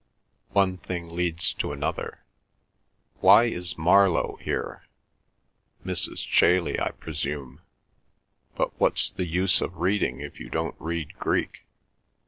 One thing leads to another. Why is Marlowe here? Mrs. Chailey, I presume. But what's the use of reading if you don't read Greek?